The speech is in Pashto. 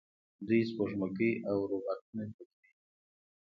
دوی سپوږمکۍ او روباټونه جوړوي.